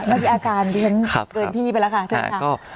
ไม่มีอาการที่ฉันเกิดพี่ไปแล้วค่ะใช่ไหมค่ะ